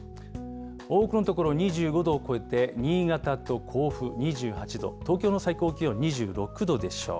多くの所、２５度を超えて、新潟と甲府２８度、東京の最高気温２６度でしょう。